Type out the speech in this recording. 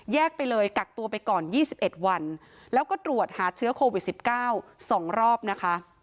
ไปเลยกักตัวไปก่อน๒๑วันแล้วก็ตรวจหาเชื้อโควิด๑๙๒รอบนะคะ